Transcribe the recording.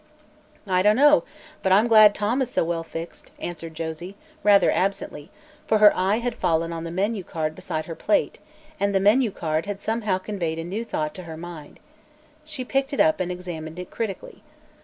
"I don't know, but I'm glad Tom is so well fixed," answered Josie, rather absently, for her eye had fallen on the menu card beside her plate, and the menu card had somehow conveyed a new thought to her mind. She picked it up and examined it critically.